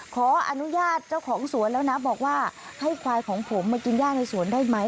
ขออนุญาตเจ้าของสวนแล้วนะบอกว่าให้ควายของผมมากินย่าในสวนได้ไหม